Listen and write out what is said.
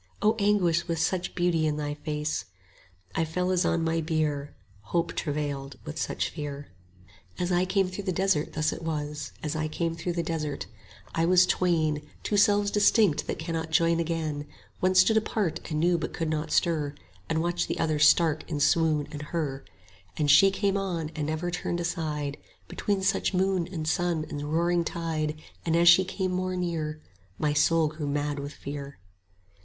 O anguish with such beauty in thy face! I fell as on my bier, Hope travailed with such fear. As I came through the desert thus it was, 70 As I came through the desert: I was twain, Two selves distinct that cannot join again; One stood apart and knew but could not stir, And watched the other stark in swoon and her; And she came on, and never turned aside, 75 Between such sun and moon and roaring tide: And as she came more near My soul grew mad with fear.